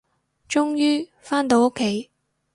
終於，返到屋企